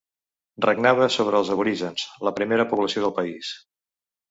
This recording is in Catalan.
Regnava sobre els aborígens, la primera població del país.